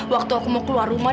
waktu aku mau keluar rumah